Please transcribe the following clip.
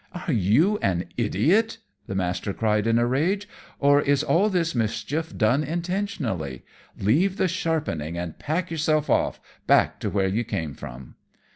"Are you an idiot?" the Master cried in a rage; "or is all this mischief done intentionally? Leave the sharpening and pack yourself off back to where you came from."